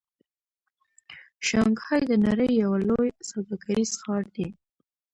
شانګهای د نړۍ یو لوی سوداګریز ښار دی.